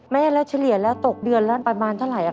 แม่ละเฉลี่ยแล้วตกเดือนแล้วประมาณเท่าไรครับ